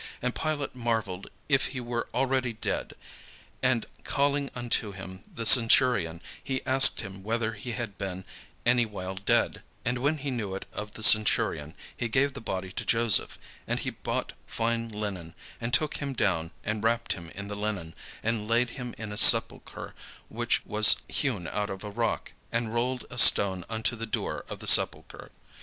And Pilate marvelled if he were already dead: and calling unto him the centurion, he asked him whether he had been any while dead. And when he knew it of the centurion, he gave the body to Joseph. And he bought fine linen, and took him down, and wrapped him in the linen, and laid him in a sepulchre which was hewn out of a rock, and rolled a stone unto the door of the sepulchre.